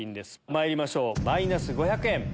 まいりましょうマイナス５００円。